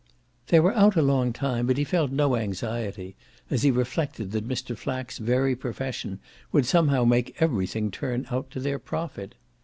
They were out a long time, but he felt no anxiety, as he reflected that Mr. Flack's very profession would somehow make everything turn out to their profit.